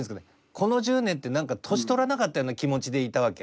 この１０年って何か年取らなかったような気持ちでいたわけ。